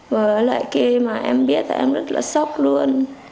với lại khi mà em biết là em rất là sốc luôn